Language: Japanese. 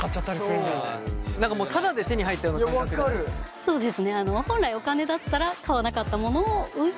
そうですね。